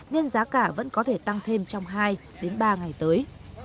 nên giá cả vẫn có thể tăng thêm trong hai ba ngày tới